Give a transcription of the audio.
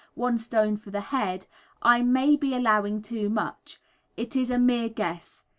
1 stone for the head, I may be allowing too much; it is a mere guess.